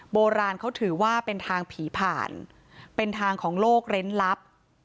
โบราณเขาถือว่าเป็นทางผีผ่านเป็นทางของโลกเร้นลับ